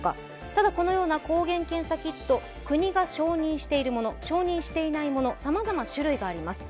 ただ、このような抗原検査キット、国が承認しているもの承認していないものさまざま種類があります。